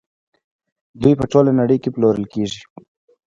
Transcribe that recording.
دوی په ټوله نړۍ کې پلورل کیږي.